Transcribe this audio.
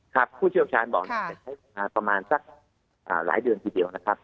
ผู้เชี่ยวชาญบอกน่าจะใช้เวลาประมาณสักหลายเดือนทีเดียวนะครับ